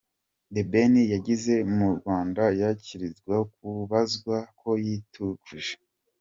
The Ben yageze mu Rwanda yakirizwa kubazwa ko yitukuje.